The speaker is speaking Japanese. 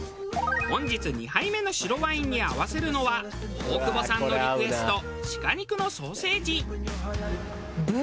本日２杯目の白ワインに合わせるのは大久保さんのリクエストシカ肉のソーセージ。